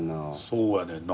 そうやねんな。